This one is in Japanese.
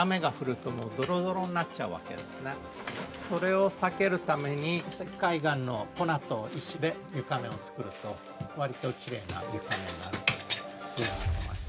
でもそれを避けるために石灰岩の粉と石で床面を造るとわりときれいな床面になるようにしてます。